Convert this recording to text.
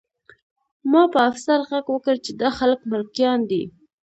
ما په افسر غږ وکړ چې دا خلک ملکیان دي